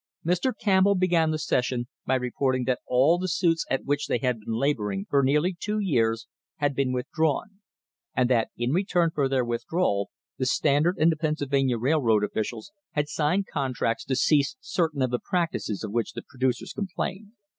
Mr. Campbell began the session by reporting that all the suits at which they had been labouring for nearly two years had been withdrawn, and that in return for their withdrawal the Stand ard and the Pennsylvania Railroad officials had signed con THE COMPROMISE OF 1880 tracts to cease certain of the practices of which the producers complained.